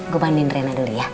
gue mandiin reina dulu ya